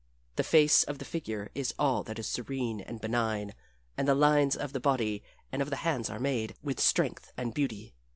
The face of the figure is all that is serene and benign, and the lines of the body and of the hands are made with strength and beauty.